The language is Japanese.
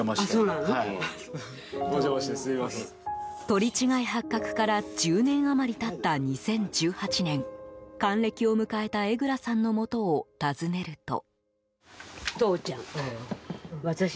取り違え発覚から１０年余り経った２０１８年還暦を迎えた江蔵さんのもとを訪ねると。